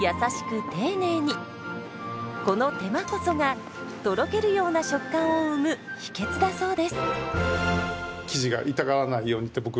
この手間こそがとろけるような食感を生む秘訣だそうです。